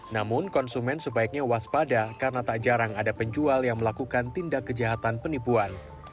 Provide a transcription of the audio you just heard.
namun konsumen sebaiknya waspada karena tak jarang ada penjual yang melakukan tindak kejahatan penipuan